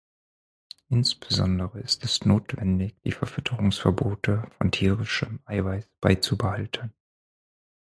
Insbesondere ist es notwendig, die Verfütterungsverbote von tierischem Eiweiß beizubehalten.